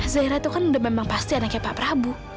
zahira itu kan udah memang pasti anaknya pak prabu